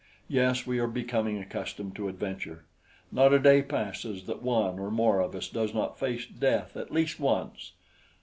Yes, we are becoming accustomed to adventure. Not a day passes that one or more of us does not face death at least once.